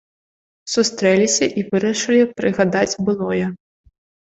Сустрэліся, і вырашылі прыгадаць былое.